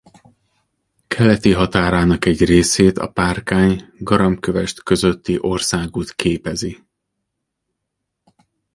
Keleti határának egy részét a Párkány-Garamkövesd közötti országút képezi.